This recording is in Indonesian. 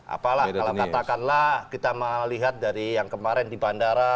apalah kalau katakanlah kita melihat dari yang kemarin di bandara